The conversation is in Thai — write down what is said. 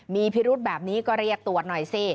มีพิรุธแบบนี้ก็เรียกตรวจหน่อยสิ